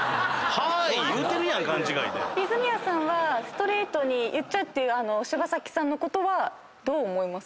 泉谷さんはストレートに言っちゃうっていう柴咲さんのことはどう思います？